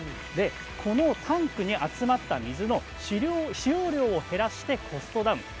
このタンクに集まった水の使用量を減らしてコストダウン。